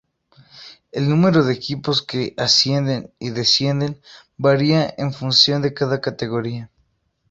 El número de equipos que ascienden y descienden varía en función de cada categoría.